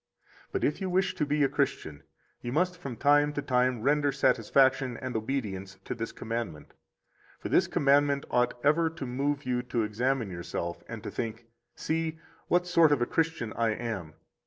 But if you wish to be a Christian, you must from time to time render satisfaction and obedience to this commandment. 50 For this commandment ought ever to move you to examine yourself and to think: See, what sort of a Christian I am!